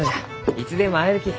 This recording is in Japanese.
いつでも会えるき。